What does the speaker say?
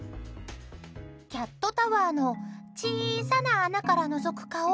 キャットタワーの小さな穴から、のぞく顔。